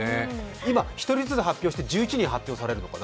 今、１人ずつ発表して１１人発表されるのかな？